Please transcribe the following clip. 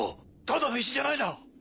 ただの石じゃないな。